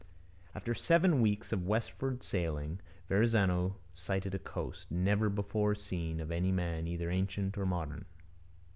After seven weeks of westward sailing Verrazano sighted a coast 'never before seen of any man either ancient or modern.'